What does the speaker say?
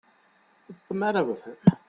What's the matter with him.